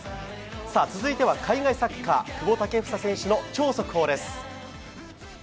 続いては海外サッカー、久保建英選手の超速報です。